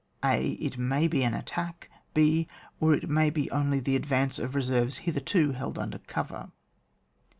{a) It may be an attack ; (h) Or, it may be only the advance of reserves hitherto held under cover.